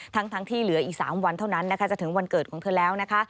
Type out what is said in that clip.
ทั้งที่เหลืออีก๓วันเท่านั้นนะคะจะถึงวันเกิดของเธอแล้วนะคะ